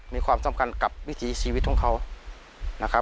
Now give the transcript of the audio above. มีความสำคัญกับวิถีชีวิตของเขานะครับ